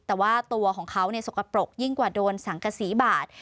แต่ว่าตัวของเขาสกปรกยิ่งกว่าโดนสังกษีบาด